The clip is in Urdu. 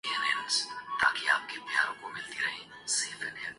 سٹریلیا اور عثمان خواجہ نے متعدد ریکارڈز پاش پاش کر دیے